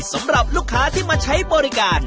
สำหรับลูกค้าที่มาใช้บริการ